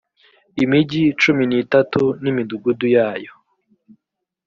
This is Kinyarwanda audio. imigi cumi n itatu n imidugudu yayo